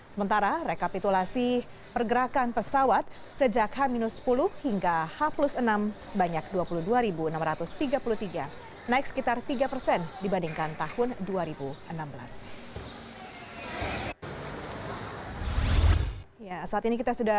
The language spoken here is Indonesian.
sementara rekapitulasi pergerakan pesawat sejak h sepuluh hingga h enam sebanyak dua puluh dua enam ratus tiga puluh tiga naik sekitar tiga persen dibandingkan tahun dua ribu enam belas